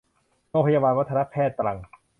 โรงพยาบาลวัฒนแพทย์ ตรัง